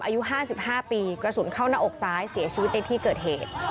อายุ๕๕ปีกระสุนเข้าหน้าอกซ้ายเสียชีวิตในที่เกิดเหตุ